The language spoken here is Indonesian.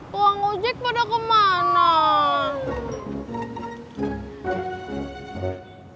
bang uziek pada kemana